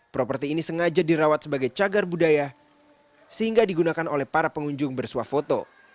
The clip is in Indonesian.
properti ini sengaja dirawat sebagai cagar budaya sehingga digunakan oleh para pengunjung bersuah foto